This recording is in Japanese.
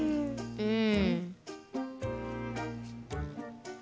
うん。